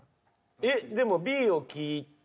えっでもＢを聞いて。